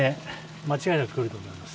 間違いなく来ると思います。